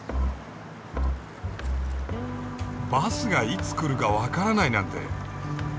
バスがいつ来るかわからないなんて。